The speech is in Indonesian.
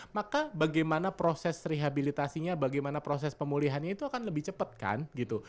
maka bagaimana proses rehabilitasinya bagaimana proses pemulihannya itu akan lebih cepat kan gitu